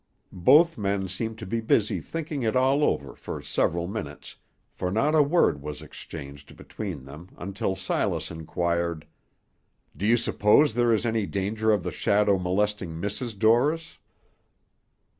Both men seemed to be busy thinking it all over for several minutes, for not a word was exchanged between them until Silas inquired, "Do you suppose there is any danger of the shadow molesting Mrs. Dorris?"